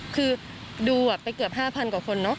คือดูไปเกือบ๕๐๐๐กว่าคน